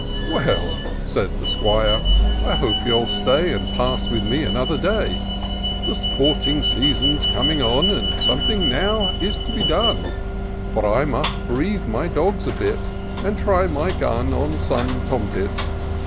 " Well," said the 'Squire, " I hope you'll stay And pass with me another day ; The sporting season's coming on, And something now is to be done ; For I must breathe my dogs a bit. And try my gun at some tom tit.